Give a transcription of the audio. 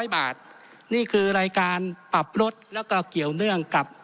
๑๐๒๗๓๔๐๐บาทนี่คือรายการปรับรถและก็เกี่ยวเรื่องกับ